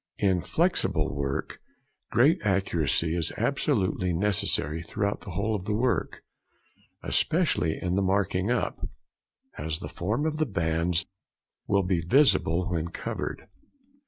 In flexible work great accuracy is absolutely necessary throughout the whole of the work, especially in the marking up, as the form of the bands will be visible when covered.